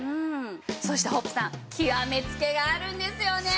そしてホップさん極めつけがあるんですよね。